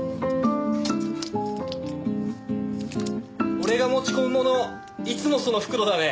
俺が持ち込むものいつもその袋だね。